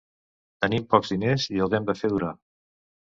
Tenim pocs diners i els hem de fer durar.